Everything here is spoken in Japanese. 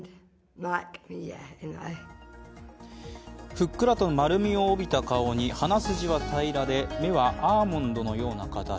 ふっくらと丸みを帯びた顔に、鼻筋は平らで目はアーモンドのような形。